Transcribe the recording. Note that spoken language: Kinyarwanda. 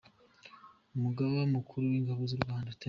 Umugaba mukuru w’ingabo z’u Rwanda, Lt.